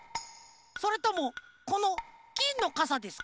それともこのきんのかさですか？